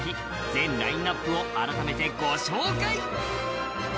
全ラインナップを改めてご紹介！